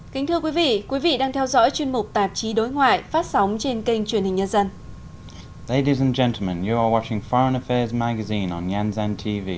các quý vị đang theo dõi chương trình tạp chí đối ngoại phát sóng trên kênh truyền hình nhân dân